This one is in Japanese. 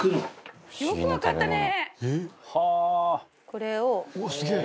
これを。